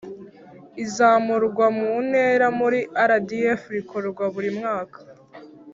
Izamurwa mu ntera muri rdf rikorwa buri mwaka